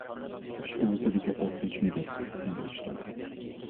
قۇش ئۇۋىسىدىكى ئوت ئۆچمىدى، سەن ئۆچتۈڭ.